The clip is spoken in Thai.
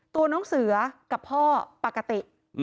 ตัวน้องเสือกับพ่อปกติ